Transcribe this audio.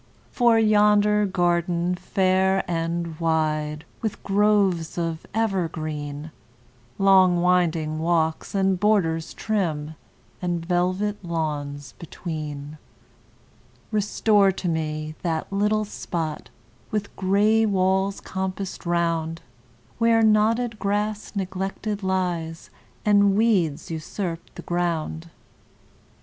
For yonder garden, fair and wide, With groves of evergreen, Long winding walks, and borders trim, And velvet lawns between; Restore to me that little spot, With gray walls compassed round, Where knotted grass neglected lies, And weeds usurp the ground.